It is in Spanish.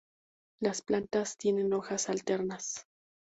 Las plantas tienen hojas alternas.